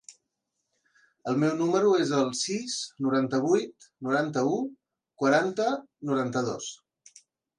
El meu número es el sis, noranta-vuit, noranta-u, quaranta, noranta-dos.